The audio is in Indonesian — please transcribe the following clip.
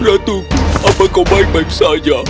ratu apa kau baik baik saja